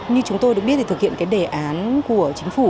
như chúng tôi được biết thì thực hiện cái đề án của chính phủ